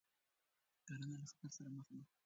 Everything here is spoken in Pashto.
کرنه له خطر سره مخ ده.